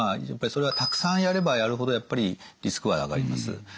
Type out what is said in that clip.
やっぱりそれはたくさんやればやるほどやっぱりリスクは上がります。